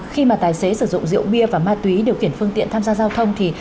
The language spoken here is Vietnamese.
khi mà tài xế sử dụng rượu bia và ma túy điều khiển phương tiện tham gia giao thông thì